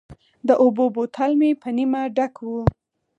د اوبو بوتل مې په نیمه ډک و.